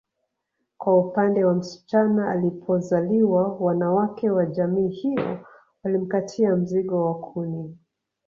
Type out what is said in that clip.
Kwa upande wa msichana alipozaliwa wanawake wa jamii hiyo walimkatia mzigo wa kuni